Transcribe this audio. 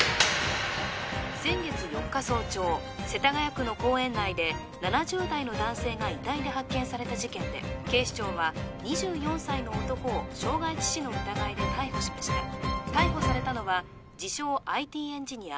先月４日早朝世田谷区の公園内で７０代の男性が遺体で発見された事件で警視庁は２４歳の男を傷害致死の疑いで逮捕しました逮捕されたのは自称ＩＴエンジニア